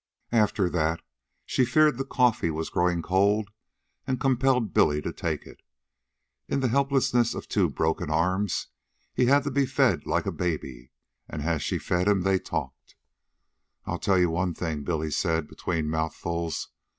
After that she feared the coffee was growing cold and compelled Billy to take it. In the helplessness of two broken arms, he had to be fed like a baby, and as she fed him they talked. "I'll tell you one thing," Billy said, between mouthfuls.